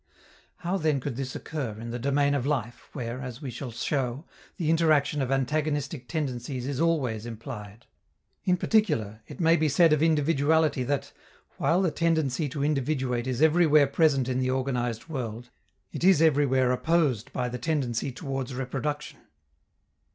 How, then, could this occur in the domain of life, where, as we shall show, the interaction of antagonistic tendencies is always implied? In particular, it may be said of individuality that, while the tendency to individuate is everywhere present in the organized world, it is everywhere opposed by the tendency towards reproduction.